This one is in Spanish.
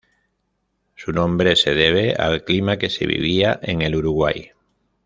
Su nombre se debe al clima que se vivía en el Uruguay.